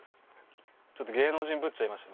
ちょっと芸能人ぶっちゃいました。